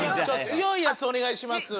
強いやつお願いします。